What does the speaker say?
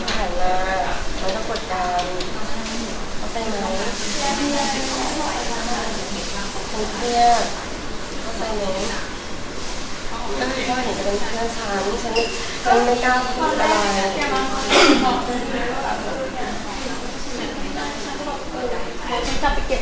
อย่าแบบนี้แต่พอนึกกลับไปลูกฉันอยู่บนหลังคอ